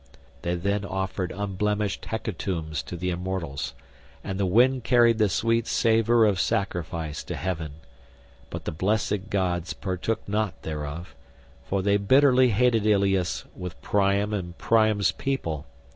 They then offered unblemished hecatombs to the immortals, and the wind carried the sweet savour of sacrifice to heaven—but the blessed gods partook not thereof, for they bitterly hated Ilius with Priam and Priam's people.